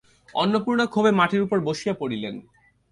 অন্নপূর্ণা ক্ষোভে মাটির উপর বসিয়া পড়িলেন।